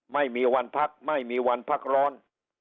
ไม่มีวันพักไม่มีวันพักร้อน